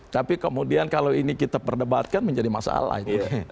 tapi kemudian kalau ini kita perdebatkan menjadi masalah ini